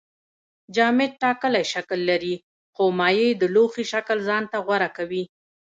جامد ټاکلی شکل لري خو مایع د لوښي شکل ځان ته غوره کوي